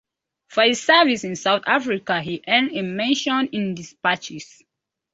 For his service in South Africa he earned a Mention in Despatches.